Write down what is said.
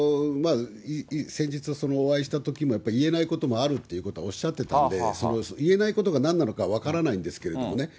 先日、お会いしたときも言えないこともあるっていうことはおっしゃってたんで、言えないことが何なのか分からないんですけどもね。